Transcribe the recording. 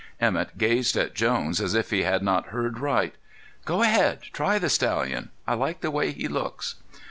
Emett gazed at Jones as if he had not heard right. "Go ahead, try the stallion. I like the way he looks."